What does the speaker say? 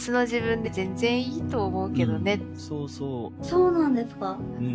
そうなんですか？